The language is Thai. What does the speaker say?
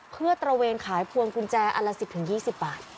เพื่อตระเวนขายพวงกุญแจอันละ๑๐๒๐บาท